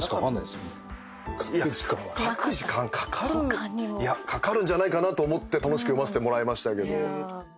いや書く時間かかるかかるんじゃないかなと思って楽しく読ませてもらいましたけど。